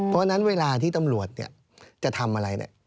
เพราะฉะนั้นเวลาที่ตำรวจจะทำอะไรเนี่ย